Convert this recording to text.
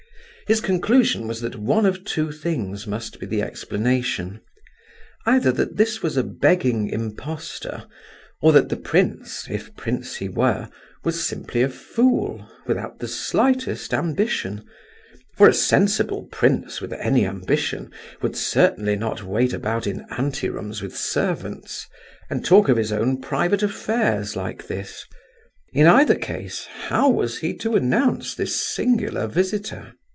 His conclusion was that one of two things must be the explanation—either that this was a begging impostor, or that the prince, if prince he were, was simply a fool, without the slightest ambition; for a sensible prince with any ambition would certainly not wait about in ante rooms with servants, and talk of his own private affairs like this. In either case, how was he to announce this singular visitor?